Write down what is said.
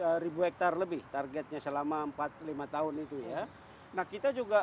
energi hampir delapan ratus hektare lebih targetnya selama empat puluh lima tahun itu ya nah kita juga